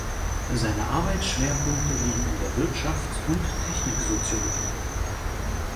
Seine Arbeitsschwerpunkte liegen in der Wissenschafts- und Techniksoziologie.